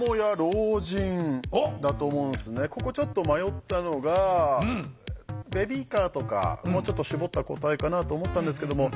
ここちょっと迷ったのがベビーカーとかもうちょっと絞った答えかなと思ったんですけども。